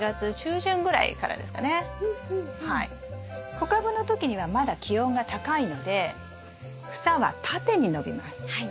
小株の時にはまだ気温が高いので草は縦に伸びますはい。